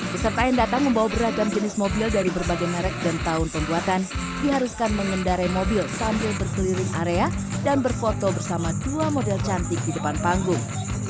peserta yang datang membawa beragam jenis mobil dari berbagai merek dan tahun pembuatan diharuskan mengendarai mobil sambil berkeliling area dan berfoto bersama dua model cantik di depan panggung